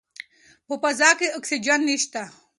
په فضا کې اکسیجن نشته.